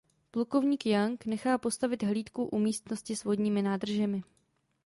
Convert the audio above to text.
Plukovník Young nechá postavit hlídku u místnosti s vodními nádržemi.